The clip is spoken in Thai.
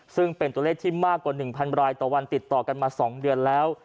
ซึ่งเป็นตัวเลขที่มากกว่า๑๐๐รายต่อวันติดต่อกันมา๒เดือนแล้ว